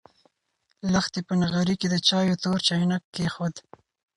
لښتې په نغري کې د چایو تور چاینک کېښود.